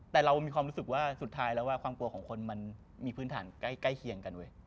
แต่เรามีความรู้สึกว่าสุดท้ายแล้วความกลัวของคนมันมีพื้นฐานใกล้เคียงกันเว้ย